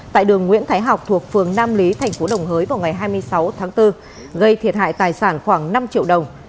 tại đường nguyễn thái học thuộc phường nam lý thành phố đồng hới vào ngày hai mươi sáu tháng bốn gây thiệt hại tài sản khoảng năm triệu đồng